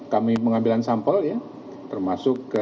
kami pengambilan sampel ya termasuk